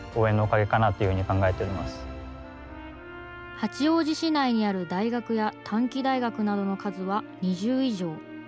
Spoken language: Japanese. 八王子市内にある大学や短期大学などの数は２０以上。